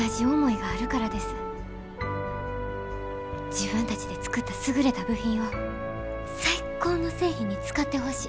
自分たちで作った優れた部品を最高の製品に使ってほしい。